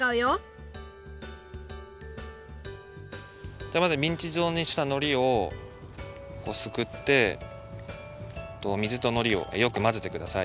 じゃあまずミンチじょうにしたのりをすくって水とのりをよくまぜてください。